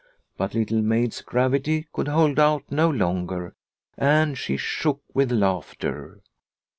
But Little Maid's gravity could hold out no longer and she shook with laughter.